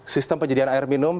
sistem penjadian air minum